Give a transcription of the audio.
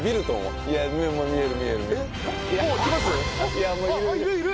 いやもういるいる。